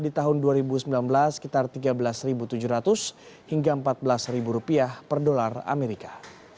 di tahun dua ribu sembilan belas sekitar tiga belas tujuh ratus hingga empat belas rupiah per dolar amerika